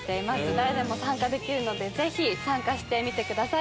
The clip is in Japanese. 誰でも参加できるのでぜひ参加してみてください。